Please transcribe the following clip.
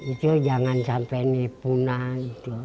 itu jangan sampai ini punah gitu